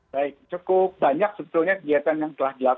baik cukup banyak sebetulnya kegiatan yang telah dilakukan